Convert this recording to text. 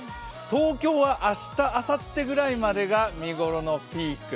東京は明日、あさってくらいまでが見頃のピーク。